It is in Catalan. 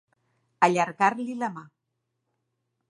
Allargar-li la mà.